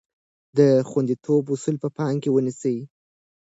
د خوندیتوب اصول په پام کې ونیسئ.